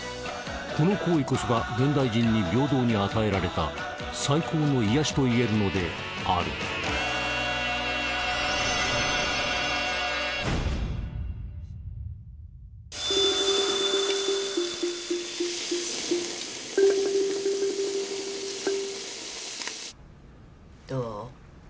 この行為こそが現代人に平等に与えられた最高の癒やしといえるのであるどう？